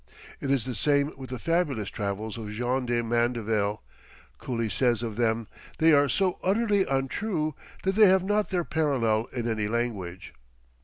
It is the same with the fabulous travels of Jean de Mandeville. Cooley says of them, "They are so utterly untrue, that they have not their parallel in any language."